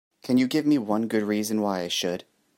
Can you give me one good reason why I should?